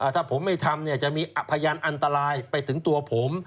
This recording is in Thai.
ถ้าผมไม่ทำจะมีพยานอันตรายไปถึงตัวผม